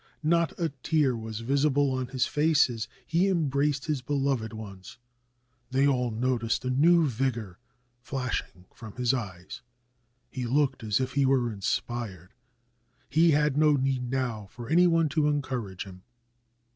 Not a tear was visible on his face as he embraced his beloved ones. They all noticed a new \'igor flashing from his eyes ; he looked as if he were inspired. He had no need now for any one to encourage him.